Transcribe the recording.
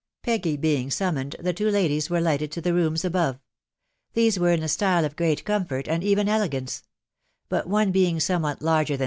19 Peggy being summoned, the two ladies were lighted to the rooms above. ,•. These were in a style of great comfort, ani even elegance; bat one being Bmewtat Wgstitank <Q»*«tia«t.